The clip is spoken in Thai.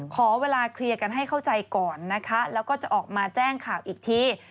ขอเวลาเคลียร์กันให้เข้าใจก่อนนะคะแล้วก็จะออกมาแจ้งข่าวอีกที